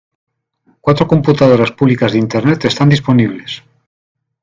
Cuatro computadoras públicas de Internet están disponibles.